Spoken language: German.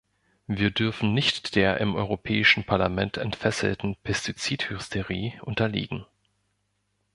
Wir dürfen nicht der im Europäischen Parlament entfesselten Pestizidhysterie unterliegen.